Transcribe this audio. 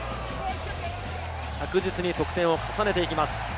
着実に得点を重ねていきます。